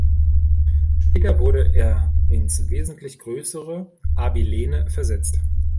Später wurde er ins wesentlich größere Abilene versetzt.